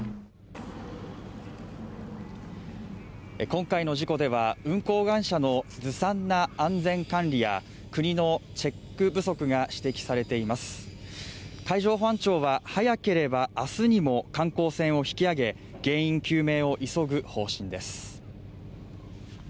今回の事故では運航会社のずさんな安全管理や国のチェック不足が指摘されています海上保安庁は早ければあすにも観光船を引き上げ原因究明を急ぐ方針です